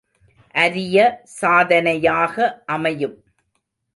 அரிய சாதனையாக அமையும்.